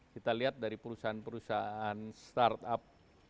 kita lihat dari perusahaan perusahaan startup